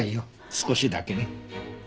少しだけね。